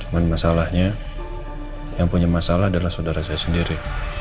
cuman masalahnya yang punya masalah adalah saudara saya sendiri